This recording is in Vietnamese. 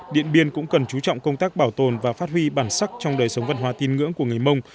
điện biên cũng cần chú trọng công tác bảo tồn và phát huy bản sắc trong đời sống văn hóa tin ngưỡng của người mông